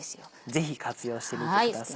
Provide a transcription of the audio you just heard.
ぜひ活用してみてください。